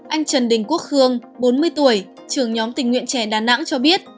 anh trần đình quốc khương bốn mươi tuổi trưởng nhóm tình nguyện trẻ đà nẵng cho biết